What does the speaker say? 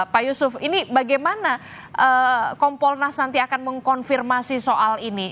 pak yusuf ini bagaimana kompolnas nanti akan mengkonfirmasi soal ini